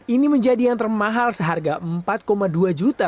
ini menjadi yang termahal seharga empat dua juta